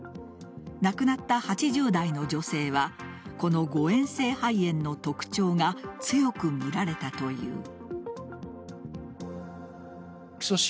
亡くなった８０代の女性はこの誤嚥性肺炎の特徴が強く見られたという。